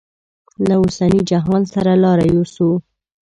له اوسني جهان سره لاره یوسو.